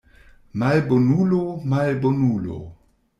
Malbonulo, malbonulo!